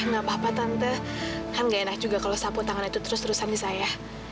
gak apa apa tante tante kan gak enak juga kalau sapu tangan itu terus terusan di saya